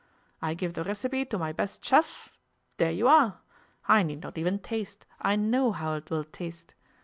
I give the recipe to my best chef dere you are. I need not even taste, I know how it will taste.